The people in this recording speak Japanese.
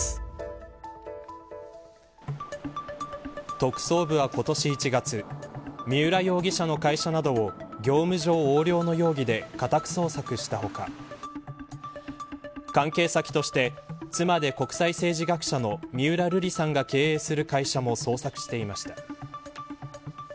特捜部は今年１月三浦容疑者の会社などを業務上横領の容疑で家宅捜索した他関係先として妻で、国際政治学者の三浦瑠璃さんが経営する会社も捜索していました。